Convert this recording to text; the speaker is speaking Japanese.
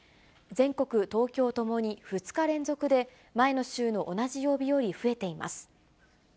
全国、東京ともに、２日連続で前の週の同じ曜日より増えています。